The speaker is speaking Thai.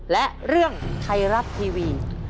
และเรื่องไทยรัฐทีวี